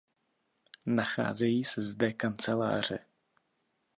Nacházejí se zde kanceláře.